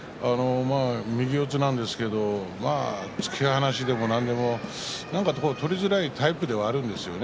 右四つなんですけれど突き放しても何でも取りづらいタイプではあるんですよね